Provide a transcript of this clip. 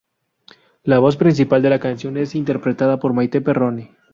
La voz principal de la canción es interpretada por Maite Perroni.